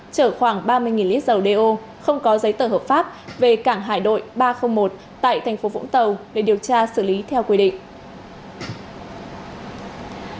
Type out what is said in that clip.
chở khoảng ba mươi lít dầu đeo không có giấy tờ hợp pháp về cảng hải đội ba trăm linh một tại thành phố vũng tàu để điều tra xử lý theo quy định